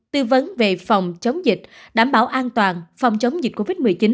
tư vấn về phòng chống dịch đảm bảo an toàn phòng chống dịch covid một mươi chín